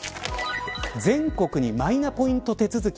全国にマイナポイント手続き